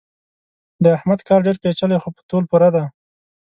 د احمد کار ډېر پېچلی خو په تول پوره دی.